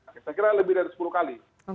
saya kira lebih dari sepuluh kali